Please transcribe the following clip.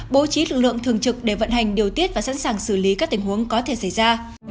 bố trí lực lượng thường trực để vận hành điều tiết và sẵn sàng xử lý các tình huống có thể xảy ra